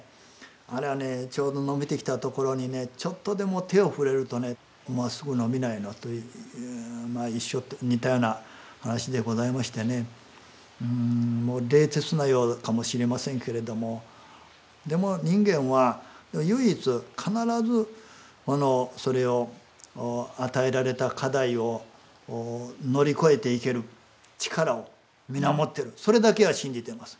あれはちょうど伸びてきてところにちょっとでも手を触れるとねまっすぐ伸びないのと一緒似たような話でございましてもう冷徹なようかもしれませんけれどもでも人間は唯一必ずそれを与えられた課題を乗り越えていける力を皆持っているそれだけは信じています。